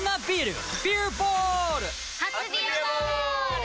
初「ビアボール」！